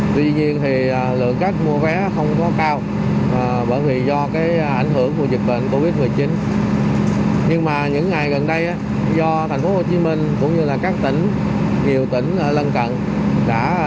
tuy nhiên do vẫn còn ảnh hưởng dịch bệnh nâng lượng khách mua vé vào tết năm nay